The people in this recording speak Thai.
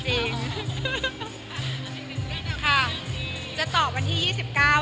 ค่ะจะตอบวันที่๒๙นี้ค่ะ